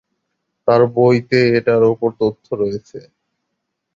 তার বইতে এটার ওপর তথ্য রয়েছে।